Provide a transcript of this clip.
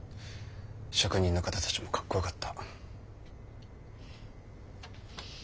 職人の方たちもかっこよかった。